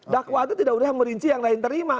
dakwa itu tidak usah merinci yang lain terima